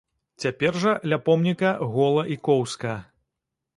Цяпер жа ля помніка гола і коўзка.